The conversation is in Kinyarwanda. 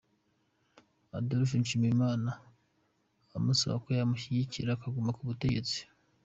Adolphe Nshimiyimana amusaba ko yamushyigikira akaguma ku butegetsi.